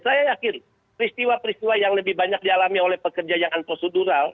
saya yakin peristiwa peristiwa yang lebih banyak dialami oleh pekerja yang unprocedural